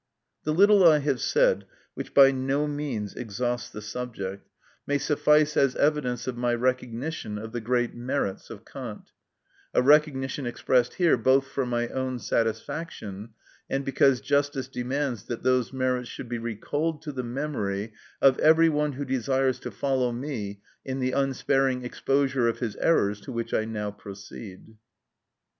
The little I have said, which by no means exhausts the subject, may suffice as evidence of my recognition of the great merits of Kant,—a recognition expressed here both for my own satisfaction, and because justice demands that those merits should be recalled to the memory of every one who desires to follow me in the unsparing exposure of his errors to which I now proceed.